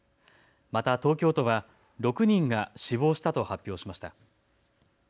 また東京都は６人が死亡したと発表しました。